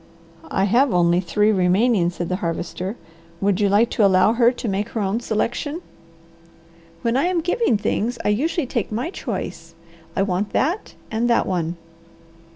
"I have only three remaining," said the Harvester. "Would you like to allow her to make her own selection?" "When I'm giving things I usually take my choice. I want that, and that one."